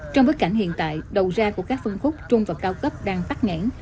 trong bức cảnh hiện tại đầu ra của các phân khúc trung và cao cấp đang bắt ngãn